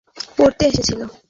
Sir ও এখানে পড়তে এসেছিল।